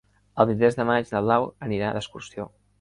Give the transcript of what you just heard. El vint-i-tres de maig na Blau anirà d'excursió.